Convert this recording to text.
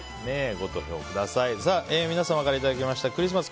皆様からいただきましたクリスマス！